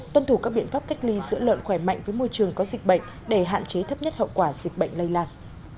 tuân thủ các biện pháp cách ly giữa lợn khỏe mạnh với môi trường có dịch bệnh để hạn chế thấp nhất hậu quả dịch bệnh lây lan